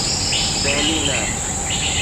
دهلي نه.